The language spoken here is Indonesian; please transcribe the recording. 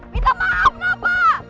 minta maaf kenapa